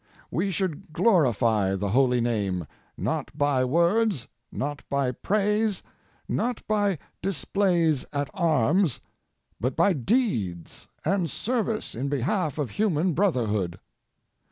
We should glorify the Holy Name, not by words, not by praise, not by displays at arms, but by deeds and service in behalf of human brotherhood.